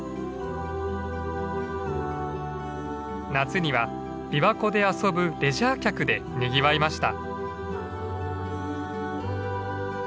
夏には琵琶湖で遊ぶレジャー客でにぎわいました。